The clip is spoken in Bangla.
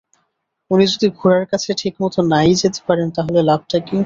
উনি যদি ঘোড়ার কাছে ঠিকমত না-ই যেতে পারেন, তাহলে লাভটা কী?